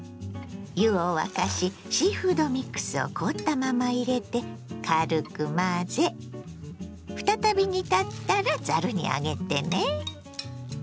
湯を沸かしシーフードミックスを凍ったまま入れて軽く混ぜ再び煮立ったらざるに上げてね。